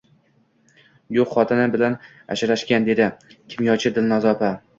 — Yo’q. Xotini bilan ajrashgan, — dedi kimyochi Dilnoza opa.